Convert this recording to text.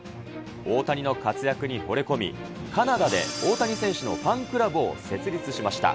大谷の活躍にほれ込み、カナダで大谷選手のファンクラブを設立しました。